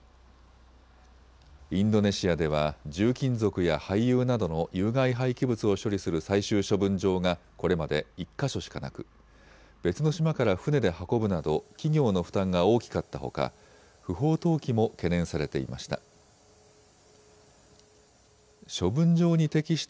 インドネシアでは重金属や廃油などの有害廃棄物を処理する最終処分場がこれまで１か所しかなく、別の島から船で運ぶなど企業の負担が大きかったほか不法投棄も懸念されていました。